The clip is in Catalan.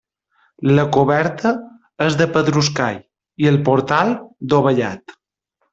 La coberta és de pedruscall i el portal dovellat.